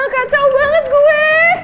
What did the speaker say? kacau banget gue